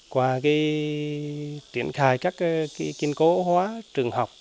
qua cái tiến khai các cái kiên cố hóa trường học của mình